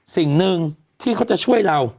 สิ่งหนึ่งที่เขาจะช่วยเรา